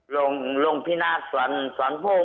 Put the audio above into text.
หลวงพินาทสวรรค์